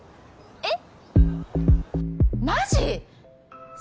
えっ？